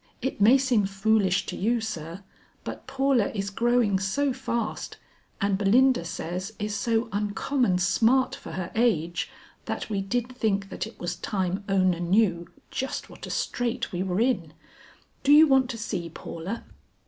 It may seem foolish to you, sir; but Paula is growing so fast and Belinda says is so uncommon smart for her age that we did think that it was time Ona knew just what a straight we were in. Do you want to see Paula?"